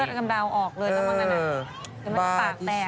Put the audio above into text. เลือสกำราวออกเลยก่อนเมื่อกี้นะ